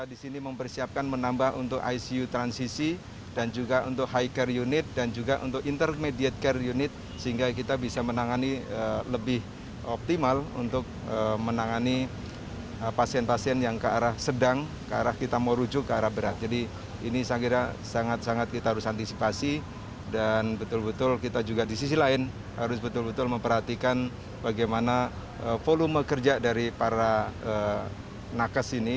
ini sangat sangat kita harus antisipasi dan betul betul kita juga di sisi lain harus betul betul memperhatikan bagaimana volume kerja dari para nakas ini